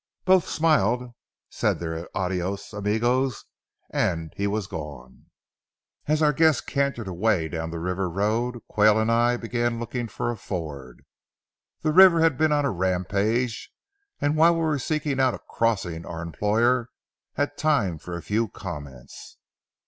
Both smiled, said their "Adios, amigos," and he was gone. As our guest cantered away, down the river road, Quayle and I began looking for a ford. The river had been on a rampage, and while we were seeking out a crossing our employer had time for a few comments.